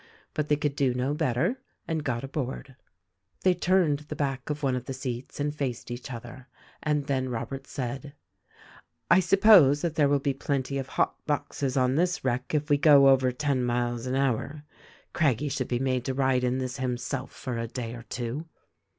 But they could do no better and got aboard. They turned the back of one of the seats and faced each other, and then Robert said, "I suppose that there will be plenty of hot boxes on this wreck if we go over ten miles an hour. Craggie should be made to ride in this himself, for a day or two."